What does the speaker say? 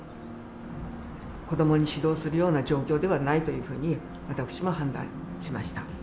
子どもに指導するような状況ではないというふうに、私も判断しました。